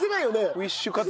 ウィッシュカツ。